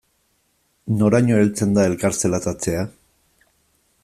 Noraino heltzen da elkar zelatatzea?